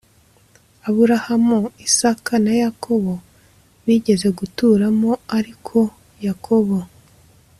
Aburahamu Isaka na Yakobo bigeze guturamo Ariko Yakobo